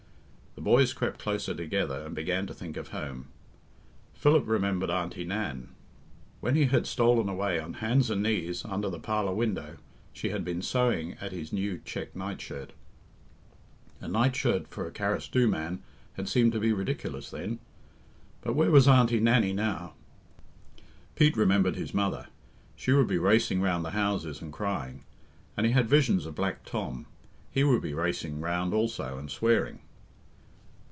The boys crept closer together and began to think of home. Philip remembered Aunty Nan. When he had stolen away on hands and knees under the parlour window she had been sewing at his new check night shirt. A night shirt for a Carrasdhoo man had seemed to be ridiculous then; but where was Aunty Nannie now? Pete remembered his mother she would be racing round the houses and crying; and he had visions of Black Tom he would be racing round also and swearing.